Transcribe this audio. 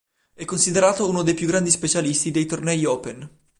È considerato uno dei più grandi specialisti dei tornei "open".